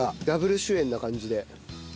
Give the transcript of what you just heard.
ダブル主演な感じで。